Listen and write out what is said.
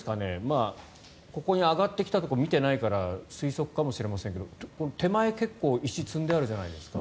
ここに上がってきたところを見てないから推測かもしれませんが手前、結構石が積んであるじゃないですか。